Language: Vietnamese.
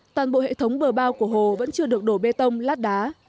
toàn bộ hệ thống bờ bao của hồ vẫn chưa được đổ bê tông lát đá